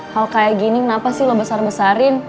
hal kayak gini kenapa sih lo besar besarin